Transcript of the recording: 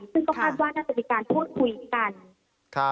ซึ่งก็คาดว่าน่าจะมีการพูดคุยกัน